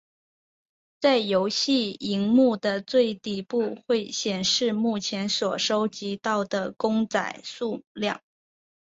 在游戏萤幕的最底部会显示目前所收集到的公仔数量。